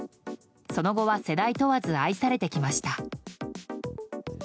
その後は世代問わず愛されてきました。